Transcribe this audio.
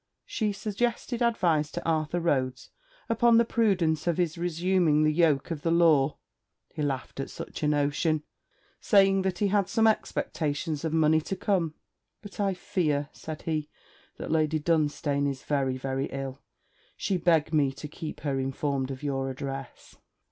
She suggested advice to Arthur Rhodes upon the prudence of his resuming the yoke of the Law. He laughed at such a notion, saying that he had some expectations of money to come. 'But I fear,' said he, 'that Lady Dunstane is very very ill. She begged me to keep her informed of your address.'